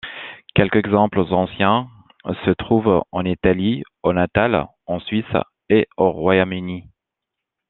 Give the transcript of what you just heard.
Quelques exemples anciens se trouvent en Italie, au Natal, en Suisse et au Royaume-Uni.